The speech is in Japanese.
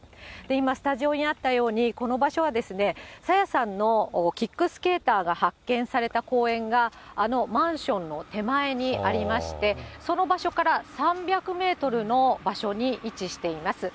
今、スタジオにあったように、この場所は、朝芽さんのキックスケーターが発見された公園があのマンションの手前にありまして、その場所から３００メートルの場所に位置しています。